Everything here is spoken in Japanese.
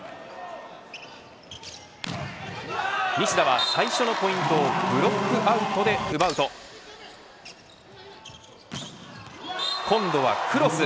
西田は最初のポイントをブロックアウトで奪うと今度はクロス。